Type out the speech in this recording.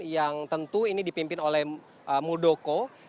yang tentu ini dipimpin oleh muldoko